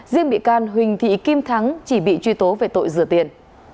riêng bị can huỳnh thị kim thắng chỉ bị truy tố về tội rửa tiền